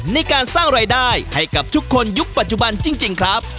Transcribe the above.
ในการสร้างรายได้ให้กับทุกคนยุคปัจจุบันจริงครับ